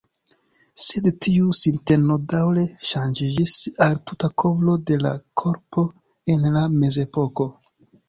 Sed tiu sinteno daŭre ŝanĝiĝis al tuta kovro de la korpo en la mezepoko.